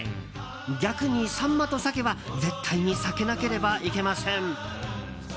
逆にサンマと鮭は絶対に避けなければいけません。